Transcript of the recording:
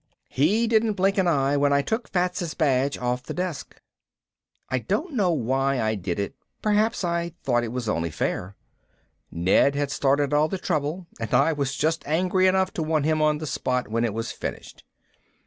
He didn't blink an eye when I took Fats' badge off the desk. I don't know why I did it, perhaps I thought it was only fair. Ned had started all the trouble and I was just angry enough to want him on the spot when it was finished.